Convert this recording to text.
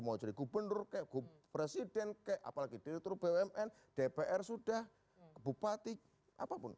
mau jadi gubernur presiden apalagi di retur bumn dpr sudah bupati apapun